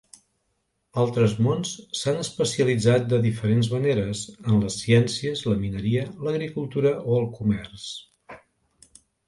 Altres mons s'han especialitzat de diferents maneres, en les ciències, la mineria, l'agricultura o el comerç.